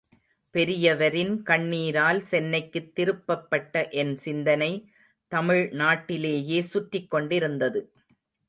பெரியவரின் கண்ணீரால் சென்னைக்குத் திருப்பப்பட்ட என் சிந்தனை, தமிழ் நாட்டிலேயே சுற்றிக் கொண்டிருந்தது.